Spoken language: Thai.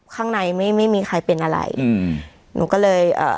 ข้างในไม่มีใครเป็นอะไรหนูก็เลย